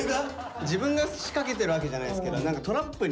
自分が仕掛けてるわけじゃないですけど何かトラップに。